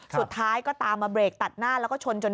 สุดท้ายก็ตามมาเบรกตัดหน้าแล้วก็ชนจน